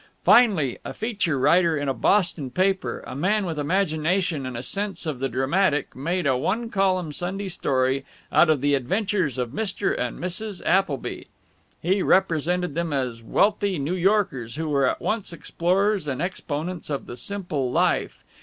Finally a feature writer on a Boston paper, a man with imagination and a sense of the dramatic, made a one column Sunday story out of the adventures of Mr. and Mrs. Appleby. He represented them as wealthy New Yorkers who were at once explorers and exponents of the simple life.